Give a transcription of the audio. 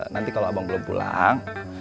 nanti kalau abang belum pulang